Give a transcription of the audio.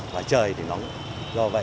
và trời thì nóng